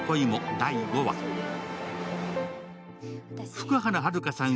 福原遥さん